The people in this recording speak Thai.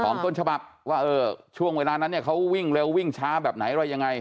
ต้นฉบับว่าเออช่วงเวลานั้นเนี่ยเขาวิ่งเร็ววิ่งช้าแบบไหนอะไรยังไง